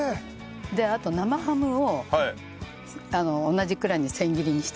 であと生ハムを同じくらいの千切りにしてもらいたいです。